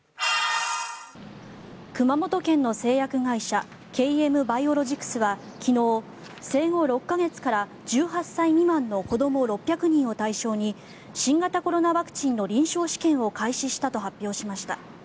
熊本県の製薬会社ＫＭバイオロジクスは昨日生後６か月から１８歳未満の子ども６００人を対象に新型コロナワクチンの臨床試験を開始したと発表しました。